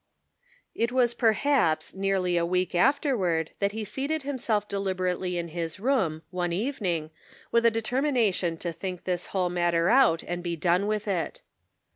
It was, perhaps, nearly a week afterward that he seated himself deliberately in his room, one evening, with a determination to think this whole matter out and be done with it.